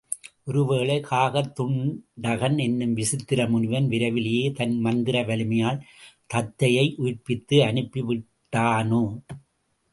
ஒருவேளை காகதுண்டகன் எனும் விசித்திர முனிவன் விரைவிலேயே தன் மந்திர வலிமையால் தத்தையை உயிர்ப்பித்து அனுப்பி விட்டானோ?